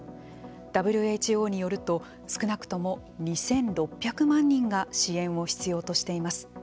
ＷＨＯによると少なくとも２６００万人が支援を必要としています。